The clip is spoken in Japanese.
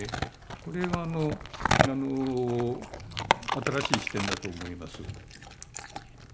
これは新しい視点だと思います。